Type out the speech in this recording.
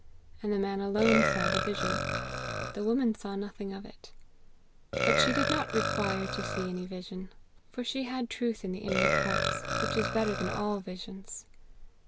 And the man alone saw the vision; the woman saw nothing of it. But she did not require to see any vision, for she had truth in the inward parts, which is better than all visions.